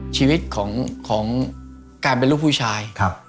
ชีวิตของการเป็นลูกผู้ชาย